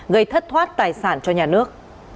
gây thất thoát tài sản cho nhà nước